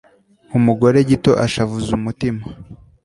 umugore gito ashavuza umutima